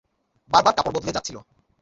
বারবার কাপড় বদলে যাচ্ছিল।